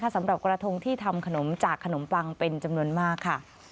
สำหรับกระทงที่ทำขนมจากขนมปังเป็นจำนวนมากค่ะ